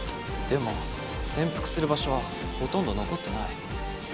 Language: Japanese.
でも潜伏する場所はほとんど残ってない。